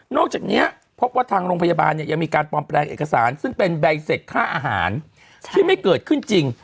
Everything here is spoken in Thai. จากนี้พบว่าทางโรงพยาบาลเนี่ยยังมีการปลอมแปลงเอกสารซึ่งเป็นใบเสร็จค่าอาหารที่ไม่เกิดขึ้นจริง